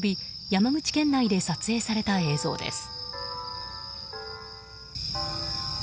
山口県内で撮影された映像です。